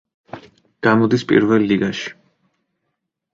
გამოდის პირველ ლიგაში.